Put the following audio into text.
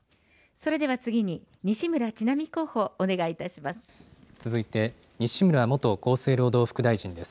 それでは次に、西村智奈美候補、お願いいたします。